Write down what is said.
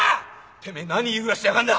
てめえ何言い触らしてやがんだ！